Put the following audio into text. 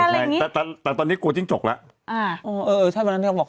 ไม่กลัวเลยมาอยู่ก็ไม่กลัวจิ้งจกตุ๊กแกอะไรอย่างนี้